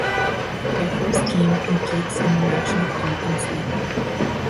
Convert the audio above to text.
Their first team competes in the National Conference League.